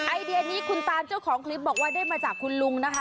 ไอเดียนี้คุณตานเจ้าของคลิปบอกว่าได้มาจากคุณลุงนะคะ